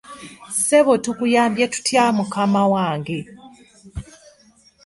Ssebo tukuyambe tutya mukama wange?